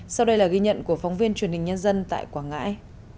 sau đây là ghi nhận của phóng viên truyền hình nhân dân tại quảng ngãi